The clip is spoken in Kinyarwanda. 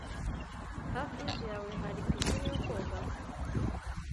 Hafi yinzu yawe hari pisine yo koga?